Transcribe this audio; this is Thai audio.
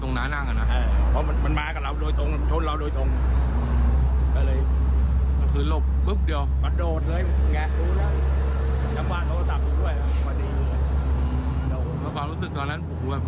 ตอนนั้นอุ๊ยเหมือนกันจ่ายเตียงกัน